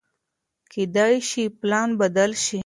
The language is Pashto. کېدای شي پلان بدل شي.